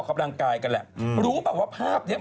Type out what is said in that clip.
คนหลังคือคุณแป้รักป่าว